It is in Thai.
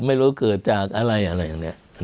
ไม่รู้เกิดจากอะไรอะไรอย่างนี้